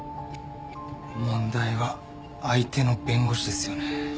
問題は相手の弁護士ですよね。